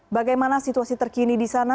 bagaimana situasi terkini di sana